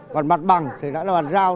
còn mặt bằng thì đã là bàn giao